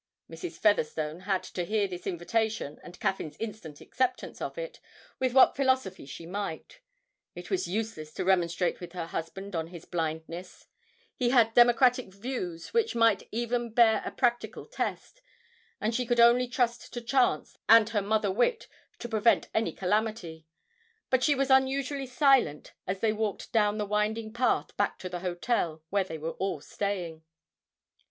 Mrs. Featherstone had to hear this invitation and Caffyn's instant acceptance of it with what philosophy she might. It was useless to remonstrate with her husband on his blindness, he had democratic views which might even bear a practical test, and she could only trust to chance and her mother wit to prevent any calamity; but she was unusually silent as they walked down the winding path back to the hotel where they were all staying.